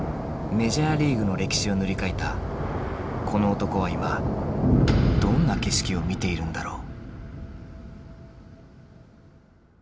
メジャーリーグの歴史を塗り替えたこの男は今どんな景色を見ているんだろう。